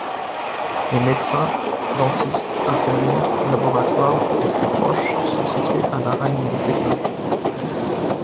Les médecin, dentiste, infirmière, laboratoire les plus proches sont situés à Laragne-Montéglin.